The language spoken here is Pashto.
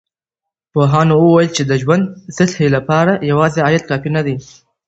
پوهانو وويل چی د ژوند سطحې لپاره يوازي عايد کافي نه دی.